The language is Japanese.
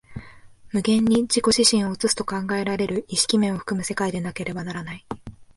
無限に自己自身を映すと考えられる意識面を含む世界でなければならない。